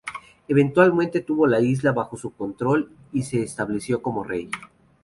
Eventualmente tuvo la isla bajo su control y se estableció como rey.